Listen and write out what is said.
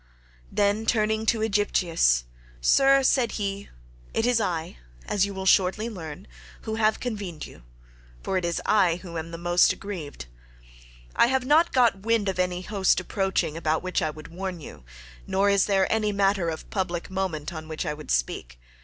Then, turning to Aegyptius, "Sir," said he, "it is I, as you will shortly learn, who have convened you, for it is I who am the most aggrieved. I have not got wind of any host approaching about which I would warn you, nor is there any matter of public moment on which I would speak.